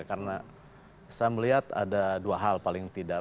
karena saya melihat ada dua hal paling tidak